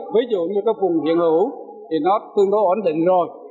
ví dụ như các vùng hiện hữu thì nó tương đối ổn định rồi